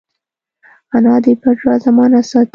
انا د پټ راز امانت ساتي